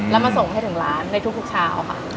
แล้วมาส่งให้ถึงร้านในทุกเช้าค่ะ